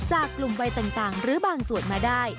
จากกลุ่มวัยต่างหรือบางส่วนมาได้